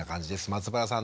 松原さん